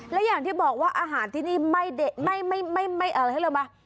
แล้วอย่างที่บอกว่าอาหารที่นี้ไม่อะไรให้ละมะ